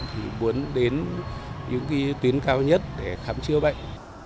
thì muốn đến những tuyến cao nhất để khám chữa bệnh